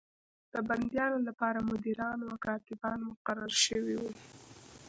د بندیانو لپاره مدیران او کاتبان مقرر شوي وو.